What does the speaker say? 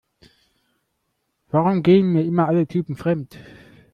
Warum gehen mir immer alle Typen fremd?